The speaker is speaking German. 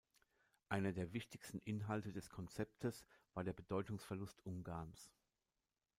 Einer der wichtigsten Inhalte des Konzeptes war der Bedeutungsverlust Ungarns.